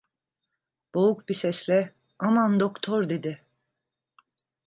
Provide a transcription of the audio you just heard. Boğuk bir sesle: "Aman doktor!" dedi.